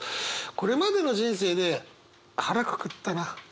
これまでの人生で「腹くくったなあの時」